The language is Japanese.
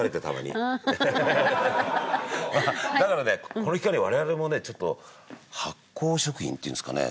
この機会に我々もね発酵食品っていうんですかね？